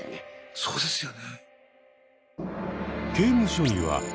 そうですね